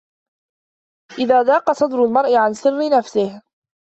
إِذا ضاقَ صَدرُ المَرءِ عَن سِرِّ نَفسِهِ